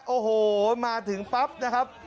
โอ้โหมาถึงปั๊บนะครับ